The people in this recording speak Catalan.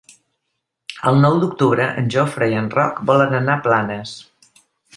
El nou d'octubre en Jofre i en Roc volen anar a Planes.